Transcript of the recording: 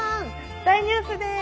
大ニュースです！